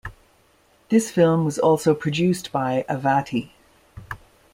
This film was also produced by Avati.